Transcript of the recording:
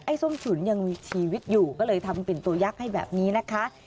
ส้มฉุนยังมีชีวิตอยู่ก็เลยทำเป็นตัวยักษ์ให้แบบนี้นะคะ